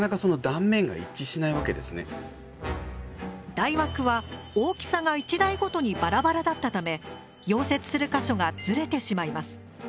台枠は大きさが１台ごとにバラバラだったため溶接する箇所がずれてしまいます。